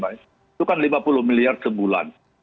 itu kan lima puluh miliar sebulan